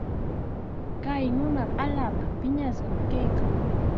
Chay nunaqa allaapa piñashqam kaykan.